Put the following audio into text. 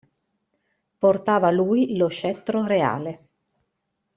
Portava lui lo scettro reale.